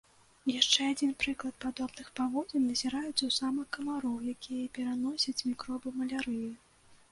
Яшчэ адзін прыклад падобных паводзін назіраецца ў самак камароў, якія пераносяць мікробы малярыі.